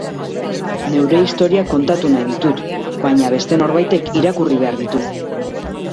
Neure istorioak kontatu nahi ditut, baina beste norbaitek irakurri behar ditu.